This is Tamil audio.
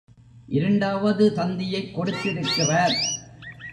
இரண்டாவது தந்தியைக் கொடுத்திருக்கிறார்.